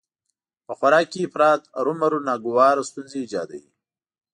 په خوراک کې افراط هرومرو ناګواره ستونزې ايجادوي